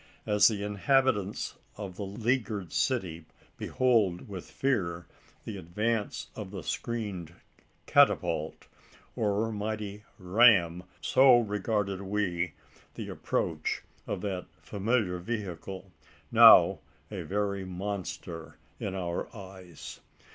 As the inhabitants of a leaguered city behold with fear the advance of the screened catapult or mighty "ram," so regarded we the approach of that familiar vehicle now a very monster in our eyes.